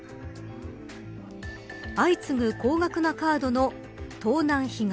相次ぐ高額なカードの盗難被害。